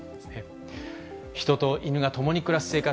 人と犬が共に暮らす生活。